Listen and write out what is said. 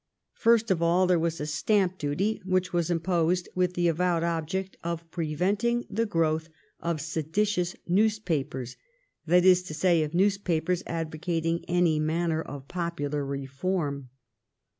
First of all there was a stamp duty, which was imposed with the avowed object of preventing the growth of seditious news papers — that is to say, of newspapers advocating any manner of popular reform.